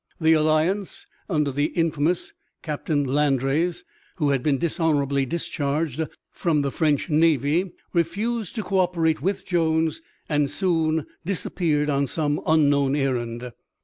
The Alliance, under the infamous Captain Landais, who had been dishonorably discharged from the French navy, refused to cooperate with Jones and soon disappeared on some unknown errand.